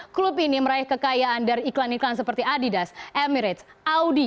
klub ini meraih kekayaan dari iklan iklan seperti adidas emirates audi